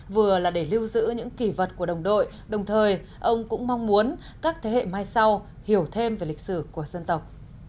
vừa là để lưu giữ những kỷ vật của đồng đội đồng thời ông cũng mong muốn các thế hệ mai sau hiểu thêm về lịch sử của dân tộc